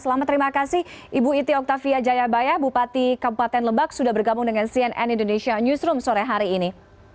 selamat terima kasih ibu iti oktavia jayabaya bupati kabupaten lebak sudah bergabung dengan cnn indonesia newsroom sore hari ini